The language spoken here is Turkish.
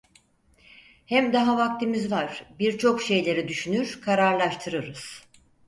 Hem daha vaktimiz var, birçok şeyleri düşünür kararlaştırırız…